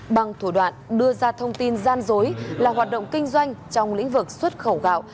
bằng thủ đoạn đưa ra thông tin gian dối là hoạt động kinh doanh trong lĩnh vực xuất khẩu gạo